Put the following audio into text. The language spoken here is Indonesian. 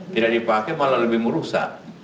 tidak dipakai malah lebih merusak